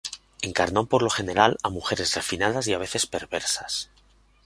Encarnó por lo general a mujeres refinadas y a veces perversas.